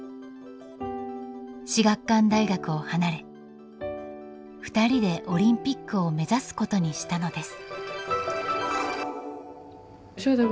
至学館大学を離れふたりでオリンピックを目指すことにしたのです。